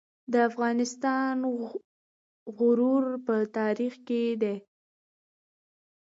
د افغانستان غرور په تاریخ کې دی